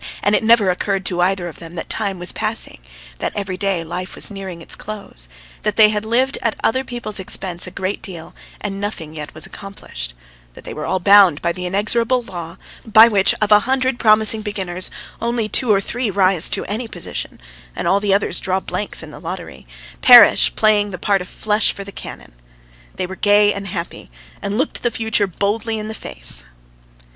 And it never occurred to either of them that time was passing, that every day life was nearing its close, that they had lived at other people's expense a great deal and nothing yet was accomplished; that they were all bound by the inexorable law by which of a hundred promising beginners only two or three rise to any position and all the others draw blanks in the lottery, perish playing the part of flesh for the cannon. ... They were gay and happy, and looked the future boldly in the face!